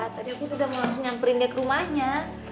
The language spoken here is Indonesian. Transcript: tadi aku udah mau nyamperin dia ke rumahnya